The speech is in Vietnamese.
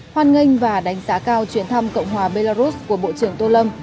hoan nghênh và đánh giá cao chuyến thăm cộng hòa belarus của bộ trưởng tô lâm